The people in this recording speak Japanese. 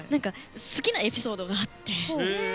好きなエピソードがあって。